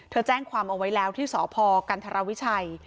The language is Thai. แจ้งความเอาไว้แล้วที่สพกันธรวิชัย